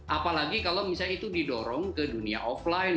apalagi kalau misalnya itu didorong ke dunia offline